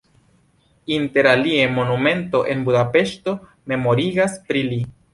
Inter alie monumento en Budapeŝto memorigas pri li.